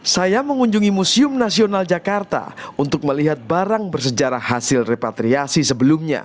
saya mengunjungi museum nasional jakarta untuk melihat barang bersejarah hasil repatriasi sebelumnya